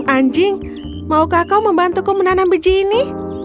anjing maukah kau membantuku menanam biji ini